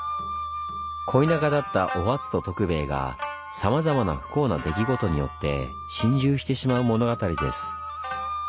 恋仲だったお初と徳兵衛がさまざまな不幸な出来事によって心中してしまう物語です。